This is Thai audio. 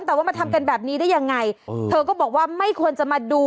แต่ว่ามาทำกันแบบนี้ได้ยังไงเธอก็บอกว่าไม่ควรจะมาดู